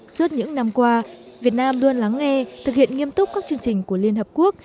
suốt những năm qua việt nam luôn lắng nghe thực hiện nghiêm túc các chương trình của liên hợp quốc